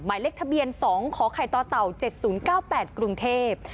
หมายเลขทะเบียน๒ขคต๗๐๙๘กรุงเทพฯ